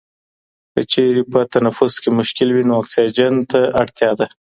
که چېرې په تنفس کې مشکل وي، نو اکسیجن ته اړتیا ده.